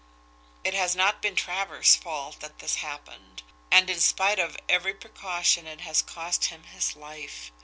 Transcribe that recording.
It has not been Travers' fault that this happened and in spite of every precaution it has cost him his life.